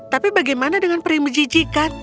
tapi bagaimana dengan peri menjijikan